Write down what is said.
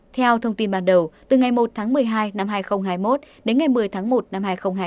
theo thông tin ban đầu từ ngày một tháng một mươi hai năm hai nghìn hai mươi một đến ngày một mươi tháng một năm hai nghìn hai mươi